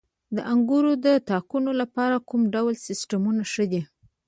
د انګورو د تاکونو لپاره کوم ډول سیستم ښه دی؟